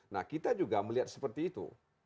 nah kita juga melihat seperti itu